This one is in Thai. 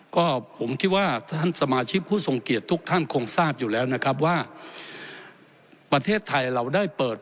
ก็ผมคิดว่าท่านสมาชิกผู้ทรงเกียจทุกท่านคงทราบอยู่แล้วนะครับว่าประเทศไทยเราได้เปิด